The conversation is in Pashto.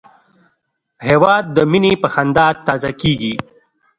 هېواد د مینې په خندا تازه کېږي.